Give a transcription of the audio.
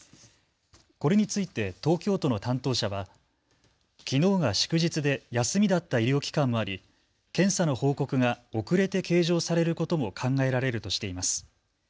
これについて東京都の担当者はきのうが祝日で休みだった医療機関もあり、検査の報告が遅れて計上されることも考えられるとしています。